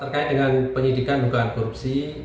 terkait dengan penyidikan dugaan korupsi